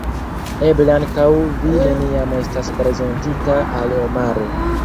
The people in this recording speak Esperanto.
Eble ankaŭ vi neniam estas prezentita al Omaro.